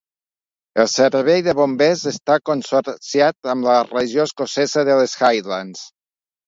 El servei de bombers està consorciat amb la regió escocesa de les Highlands.